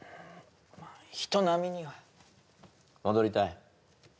まあ人並みには戻りたい？